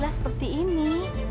lila seperti ini